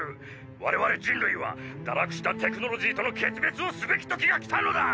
我々人類は堕落したテクノロジーとの決別をすべき時が来たのだ！